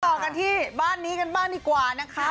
ต่อกันที่บ้านนี้กันบ้างดีกว่านะคะ